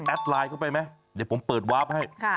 ไลน์เข้าไปไหมเดี๋ยวผมเปิดวาร์ฟให้